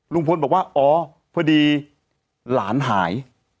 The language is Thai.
ลุงพลบอกว่าอ๋อพอดีหลานหาย